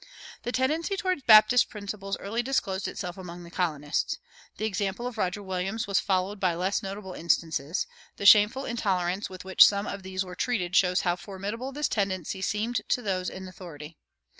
The tendency toward Baptist principles early disclosed itself among the colonists. The example of Roger Williams was followed by less notable instances; the shameful intolerance with which some of these were treated shows how formidable this tendency seemed to those in authority.